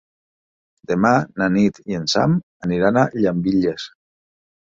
Demà na Nit i en Sam aniran a Llambilles.